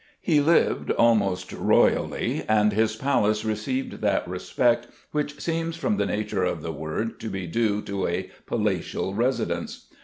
He lived almost royally, and his palace received that respect which seems, from the nature of the word, to be due to a palatial residence.